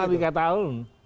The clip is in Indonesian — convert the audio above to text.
selama tiga tahun